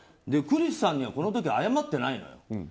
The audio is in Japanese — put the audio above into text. クリスさんにはこの時謝ってないのよ。